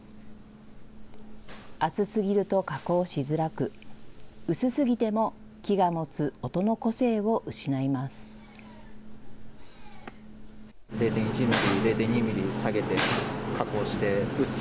厚すぎると加工しづらく、薄すぎても木が持つ音の個性を失います。